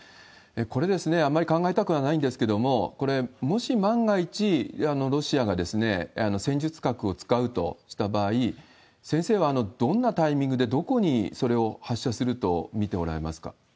これ、あんまり考えたくはないんですけれども、これ、もし万が一ロシアが戦術核を使うとした場合、先生はどんなタイミングで、どこにそれを発射すると見ておられますか？